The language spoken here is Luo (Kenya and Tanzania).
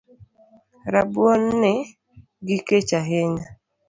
Rabuoni gi kech ahinya